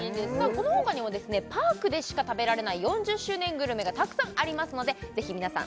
このほかにもパークでしか食べられない４０周年グルメがたくさんありますのでぜひ皆さん